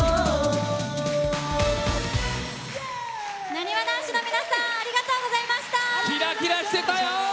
なにわ男子の皆さんありがとうございました。